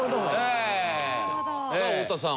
さあ太田さん